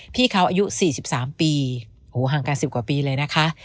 พี่เขาอายุ๔๓ปีห่างกัน๑๐กว่าปีเลยนะคะ